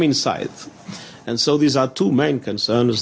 jadi ini adalah dua persen yang penting yang kita punya